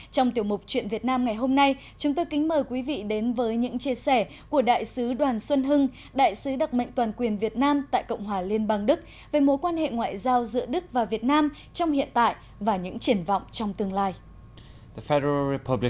trong tiểu mục chuyện việt nam ngày hôm nay chúng tôi kính mời quý vị đến với những chia sẻ của đại sứ đoàn xuân hưng đại sứ đặc mệnh toàn quyền việt nam tại cộng hòa liên bang đức về mối quan hệ ngoại giao giữa đức và việt nam trong hiện tại và những triển vọng trong tương lai